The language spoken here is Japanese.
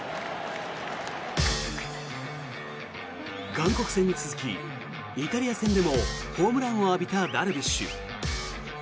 韓国戦に続きイタリア戦でもホームランを浴びたダルビッシュ。